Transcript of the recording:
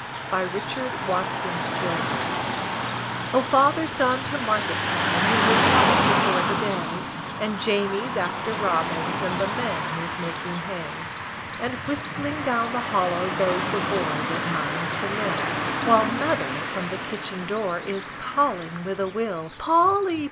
CHAMBER'S "Tracts." A MIDSUMMER SONG O, father's gone to market town, he was up before the day, And Jamie's after robins, and the man is making hay, And whistling down the hollow goes the boy that minds the mill, While mother from the kitchen door is calling with a will: "Polly!